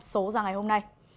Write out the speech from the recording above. số ra ngày hôm nay